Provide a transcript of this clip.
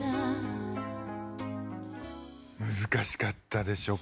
難しかったでしょ